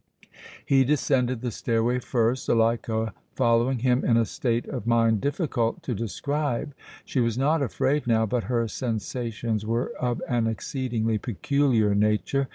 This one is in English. He descended the stairway first, Zuleika following him in a state of mind difficult to describe. She was not afraid now, but her sensations were of an exceedingly peculiar nature.